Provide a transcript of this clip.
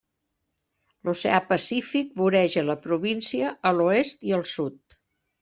L'oceà Pacífic voreja la província a l'oest i al sud.